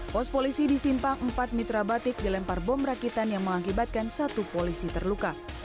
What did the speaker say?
pos polisi disimpang empat mitra batik dilempar bom rakitan yang mengakibatkan satu polisi terluka